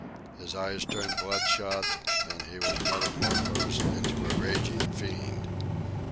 His eyes turned blood shot, and he was metamorphosed into a raging fiend.